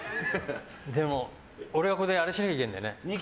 でも、俺がここでやらなきゃいけないんだよね。